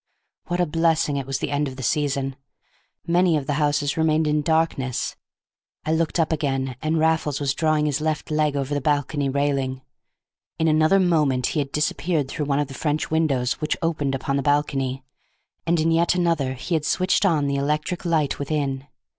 What a blessing it was the end of the season! Many of the houses remained in darkness. I looked up again, and Raffles was drawing his left leg over the balcony railing. In another moment he had disappeared through one of the French windows which opened upon the balcony, and in yet another he had switched on the electric light within.